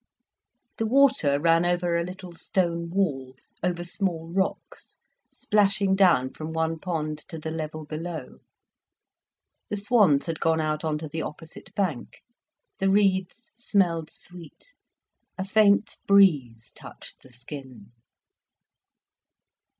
The water ran over a little stone wall, over small rocks, splashing down from one pond to the level below. The swans had gone out on to the opposite bank, the reeds smelled sweet, a faint breeze touched the skin.